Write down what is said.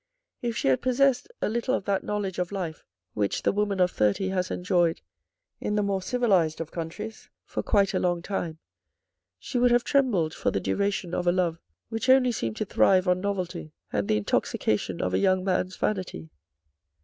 If she had possessed a little of that knowledge of life which the woman of thirty has enjoyed in the more civilised of countries for quite a long time, she would have trembled for the duration of a love, which only seemed to thrive on novelty and the intoxication of a young man's vanity.